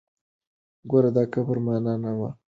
ګور د کبر مانا نه وه.